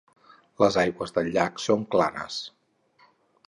Les aigües del llac són clares.